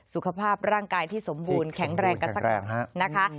สุขภาพร่างกายที่สมบูรณ์แข็งแรงกันสักหน่อยนะคะ